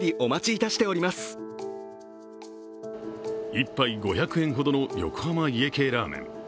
１杯５００円ほどの横浜家系ラーメン。